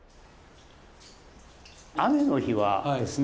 雨の日はですね